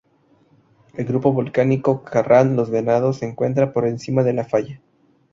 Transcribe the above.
El grupo volcánico Carrán-Los Venados se encuentra por encima de la falla.